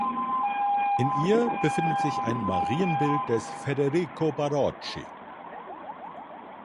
In ihr findet sich ein Marienbild des Federico Barocci.